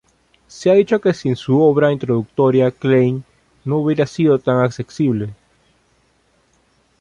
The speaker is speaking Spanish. Se ha dicho que sin su obra introductoria Klein no hubiera sido tan accesible.